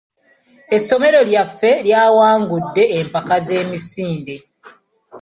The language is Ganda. Essomero lyaffe lyawangudde empaka z'emisinde.